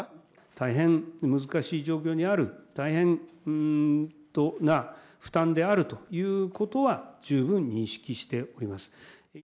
大変難しい状況にある、大変な負担であるということは、十分認識しております。